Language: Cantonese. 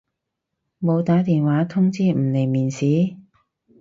冇打電話通知唔嚟面試？